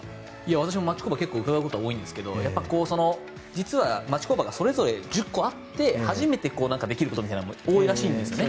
私も町工場結構、伺うこと多いんですけど実は町工場がそれぞれ１０個あって初めてできることみたいなものが多いらしいですね。